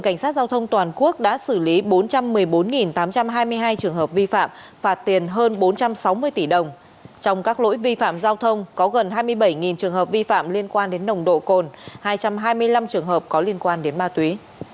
cảnh sát giao thông đã xử lý hơn sáu mươi tỷ đồng trong các lỗi vi phạm giao thông có gần hai mươi bảy trường hợp vi phạm liên quan đến nồng độ cồn hai trăm hai mươi năm trường hợp có liên quan đến ma túy